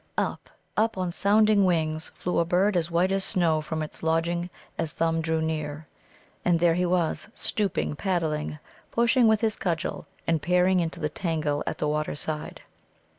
Up, up, on sounding wings flew a bird as white as snow from its lodging as Thumb drew near. And there he was, stooping, paddling, pushing with his cudgel, and peering into the tangle at the water side.